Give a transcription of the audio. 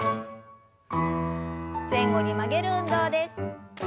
前後に曲げる運動です。